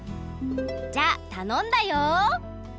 じゃあたのんだよ！